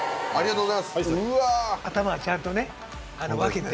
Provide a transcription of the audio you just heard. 頭をちゃんとね分けて。